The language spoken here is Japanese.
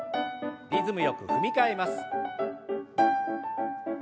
リズムよく踏み替えます。